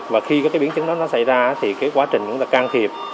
và khi cái biến chứng đó nó xảy ra thì cái quá trình cũng là can thiệp